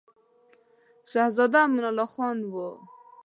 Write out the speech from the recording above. شهزاده امان الله خان وو.